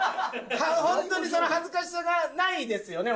ホントにその恥ずかしさがないですよね？